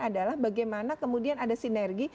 adalah bagaimana kemudian ada sinergi